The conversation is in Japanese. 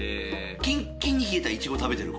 キンキンに冷えたいちごを食べてる。